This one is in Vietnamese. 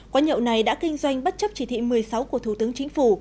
quán nhậu này đã kinh doanh bất chấp chỉ thị một mươi sáu của thủ tướng chính phủ